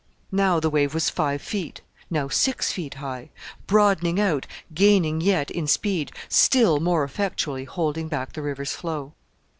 Now the wave was five feet now six feet high broadening out, gaining yet in speed, still more effectually holding back the river's flow.